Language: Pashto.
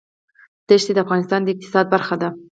دښتې د افغانستان د اقتصاد برخه ده.